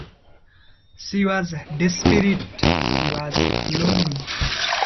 She was desperate, she was lonely.